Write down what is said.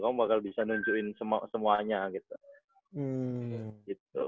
kamu pasti bisa nunjuin semuanya gitu